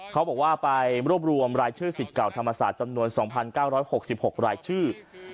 เขาบอกว่าไปรวบรวมรายชื่อสิทธิ์เก่าธรรมศาสตร์จำนวน๒๙๖๖รายชื่อ